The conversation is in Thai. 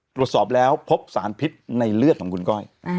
ตรวจสอบแล้วพบสารพิษในเลือดของคุณก้อย